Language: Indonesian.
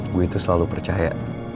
gue tuh selalu percaya